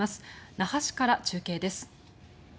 那覇市から中継です。